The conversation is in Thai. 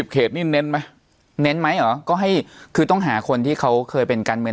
เขตนี่เน้นไหมเน้นไหมเหรอก็ให้คือต้องหาคนที่เขาเคยเป็นการเมือง